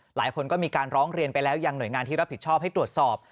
หลายคนก็มีการร้องเรียนไปแล้วยังหน่วยงานที่รับผิดชอบให้ตรวจสอบ